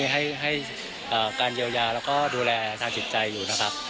ให้การเยียวยาแล้วก็ดูแลทางจิตใจอยู่นะครับ